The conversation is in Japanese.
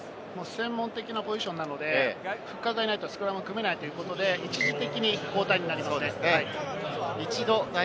専門的なポジションなのでフッカーがいないとスクラムが組めないということで一時的に交代になります。